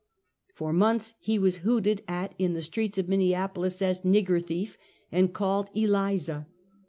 For months he was hooted at in the streets of Minneapolis as " nigger thief," and called " Eliza."